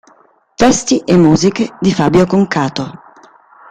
Testi e musiche di Fabio Concato.